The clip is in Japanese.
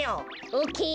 オッケー。